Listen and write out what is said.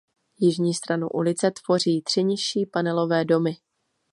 Jižní stranu ulice tvoří tři nižší panelové domy.